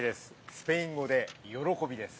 スペイン語で喜びです。